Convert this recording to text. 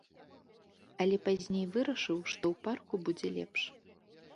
Але пазней вырашыў, што ў парку будзе лепш.